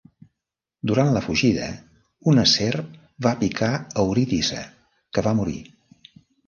Durant la fugida, una serp va picar Eurídice, que va morir.